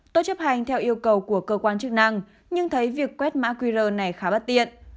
tôi chấp hành theo yêu cầu của cơ quan chức năng nhưng thấy việc quét mã qr này khá bất tiện